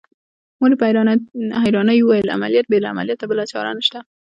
مور يې په حيرانۍ وويل عمليات بې له عملياته بله چاره نشته.